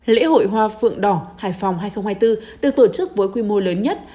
lễ hội hoa phượng đỏ hải phòng hai nghìn hai mươi bốn được tổ chức với quy mô lớn nhất